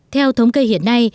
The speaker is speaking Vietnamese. theo thống kê hiện nay